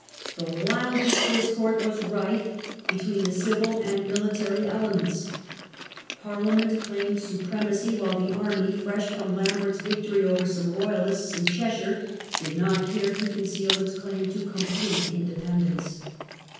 The wildest discord was rife between the civil and military elements. Pariiament claimed supremacy, while the Army, fresh from Lambert's victory over some Royalists in Cheshire, did not care to conceal its claim to complete independence.